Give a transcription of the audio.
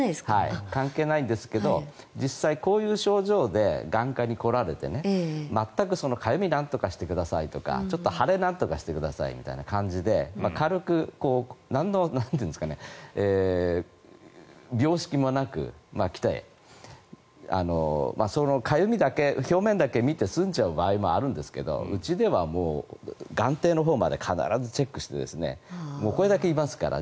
関係ないんですが実際、こういう症状で眼科に来られてかゆみなんとかしてくださいとかちょっと腫れをなんとかしてくださいみたいな感じで軽く病識もなく来てかゆみだけ表面だけ見て済んじゃう場合もあるんですがうちではもう眼底のほうまで必ずチェックしてこれだけいますから。